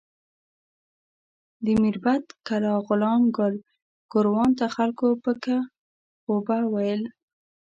د میربت کلا غلام ګل ګوروان ته خلکو پک غوبه ویل.